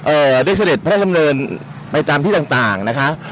เอ่อได้เสร็จพระรำเนินไปตามที่ต่างนะคะ